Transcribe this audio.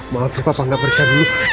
maaf ya papa nggak percaya dulu